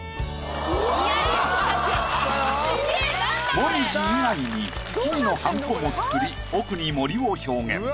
紅葉以外に木々のはんこも作り奥に森を表現。